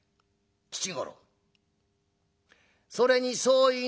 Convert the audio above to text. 吉五郎それに相違ない」。